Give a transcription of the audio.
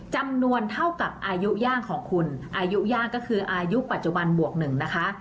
จำนวนเท่ากับอายุย่างของคุณอายุย่างก็คืออายุปัจจุบันบวก๑นะคะ